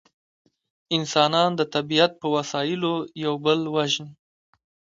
انسانان د طبیعت په وسایلو یو بل وژني